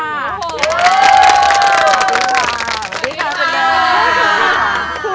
สวัสดีค่ะคุณโย